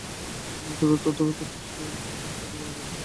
তিনি দ্রুত ভাবতে চেষ্টা করলেন তাঁর বংশে কোনো পাগল আছে কি না।